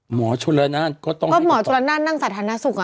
หมอชุระนานก็ต้องให้ตอบก็หมอชุระนานนั่งสาธารณสุข